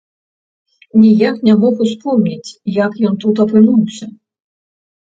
Ніяк не мог успомніць, як ён тут апынуўся.